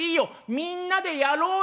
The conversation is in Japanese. みんなでやろうよ」。